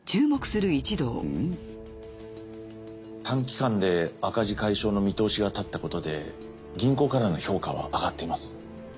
短期間で赤字解消の見通しが立ったことで銀行からの評価は上がっています。